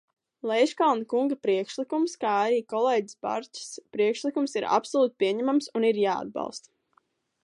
Leiškalna kunga priekšlikums, kā arī kolēģes Barčas priekšlikums ir absolūti pieņemams un ir jāatbalsta.